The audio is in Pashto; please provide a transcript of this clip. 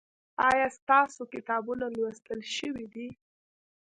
ایا ستاسو کتابونه لوستل شوي دي؟